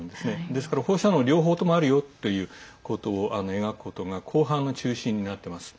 ですから放射能、両方ともあるよということを描くことが後半の中心になってます。